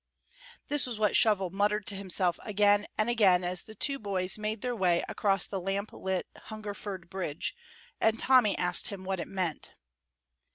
This was what Shovel muttered to himself again and again as the two boys made their way across the lamp lit Hungerford Bridge, and Tommy asked him what it meant.